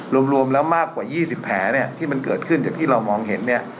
รวมแล้วมากกว่า๒๐แผลเนี่ยที่มันเกิดขึ้นจากที่เรามองเห็นเนี่ย